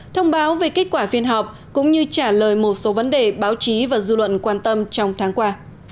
thông báo về kết quả phiên họp cũng như trả lời một số vấn đề báo chí và dư luận quan tâm trong tháng qua